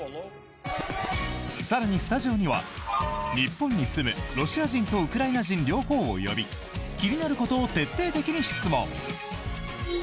更に、スタジオには日本に住むロシア人とウクライナ人両方を呼び気になることを徹底的に質問。